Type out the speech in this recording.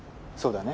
そう